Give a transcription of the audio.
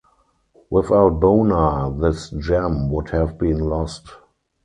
Without Bonar this gem would have been lost.